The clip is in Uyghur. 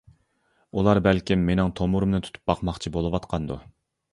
ئۇلار بەلكىم مېنىڭ تومۇرۇمنى تۇتۇپ باقماقچى بولۇۋاتقاندۇ.